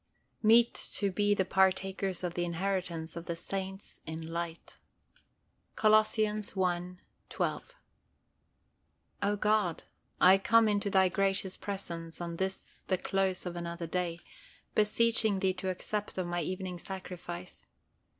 "Meet to be partakers of the inheritance of the saints in light." Col. i. 12. O God, I come into Thy gracious presence on this the close of another day, beseeching Thee to accept of my evening sacrifice.